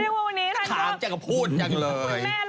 เรียกว่าวันนี้ท่านก็ถามจากจะพูดจังเลย